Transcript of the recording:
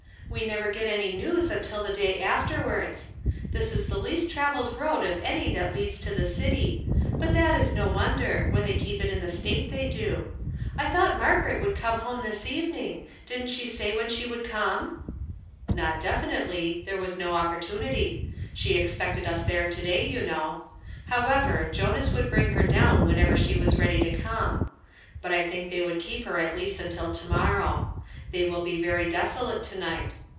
"We never get any news until the day afterwards. This is the least travelled road of any that leads to the city ; but that is no wonder, when they keep it in the state they do. I thought Maigaret 'Aould come home this evening. Didn't she say when she would come ?"" Not definitely ; there was no opportunity ; she I. "HE HATH SENT ME." 161 she expected us there to day, you know. However, Jonas would bring her down whenever she was ready to come ; but I think they woukl keep lier at least until to morrow. They will be very deso late to night.